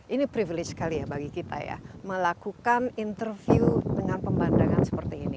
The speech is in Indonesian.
ini privilege sekali ya bagi kita ya melakukan interview dengan pemandangan seperti ini